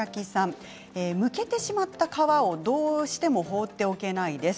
むけてしまった皮をどうしても放っておけないです。